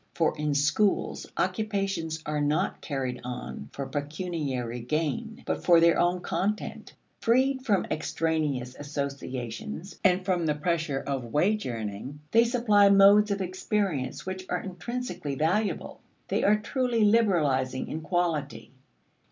For in schools, occupations are not carried on for pecuniary gain but for their own content. Freed from extraneous associations and from the pressure of wage earning, they supply modes of experience which are intrinsically valuable; they are truly liberalizing in quality.